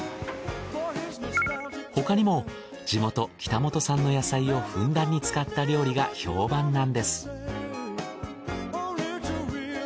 他にも地元北本産の野菜をふんだんに使った料理が評判なんです。